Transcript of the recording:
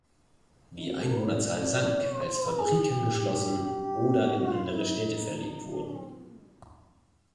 Die Einwohnerzahl sank, als Fabriken geschlossen oder in andere Städte verlegt wurden.